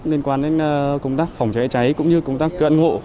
liên quan đến công tác phòng cháy cháy cũng như công tác cận hộ